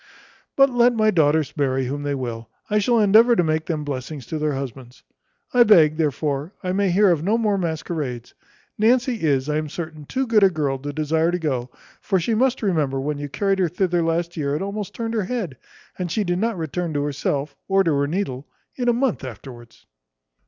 But let my daughters marry whom they will, I shall endeavour to make them blessings to their husbands: I beg, therefore, I may hear of no more masquerades. Nancy is, I am certain, too good a girl to desire to go; for she must remember when you carried her thither last year, it almost turned her head; and she did not return to herself, or to her needle, in a month afterwards."